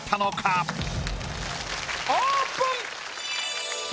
オープン！